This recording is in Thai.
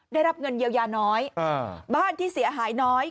ได้รับเงินเยียวยาน้อยบ้านที่เสียหายน้อย